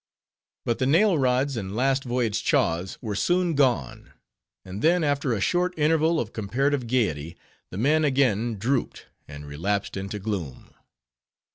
But the nail rods and last voyage "chaws" were soon gone, and then, after a short interval of comparative gayety, the men again drooped, and relapsed into gloom.